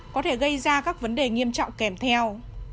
có thể gây ra các vấn đề nghiêm trọng kèm theo